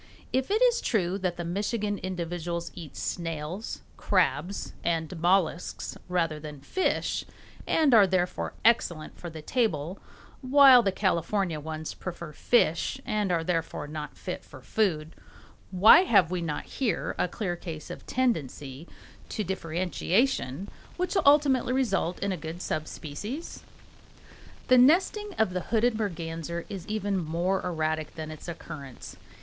If it is true that the Michigan individuals eat snails, crabs, and mollusks rather than fish, and are therefore excellent for the table, while the California ones prefer fish and are therefore not fit for food, why have we not here a clear case of tendency to differentiation which will ultimately result in a good sub species? The nesting of the hooded merganser is even more erratic than its occurrence.